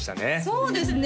そうですね